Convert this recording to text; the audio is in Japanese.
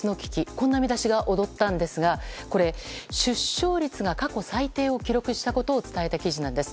こんな見出しが躍ったんですがこれ、出生率が過去最低を記録したことを伝えた記事なんです。